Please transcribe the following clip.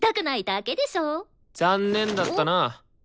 残念だったな。